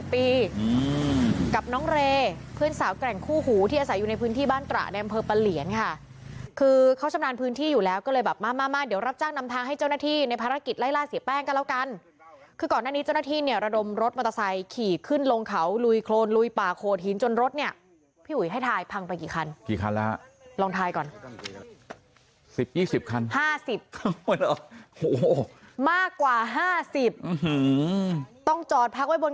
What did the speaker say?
๑๐ปีกับน้องเรย์เพื่อนสาวแกร่งคู่หูที่อาศัยอยู่ในพื้นที่บ้านตราแดนเผอร์ปะเหลียนค่ะคือเขาชำนาญพื้นที่อยู่แล้วก็เลยแบบมากเดี๋ยวรับจ้างนำทางให้เจ้าหน้าที่ในภารกิจไล่ล่าเสียแป้งกันแล้วกันคือก่อนหน้านี้เจ้าหน้าที่เนี่ยระดมรถมอเตอร์ไซค์ขี่ขึ้นลงเขาลุยโครนลุยป่าโคทินจน